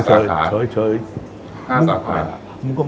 ๕สาขา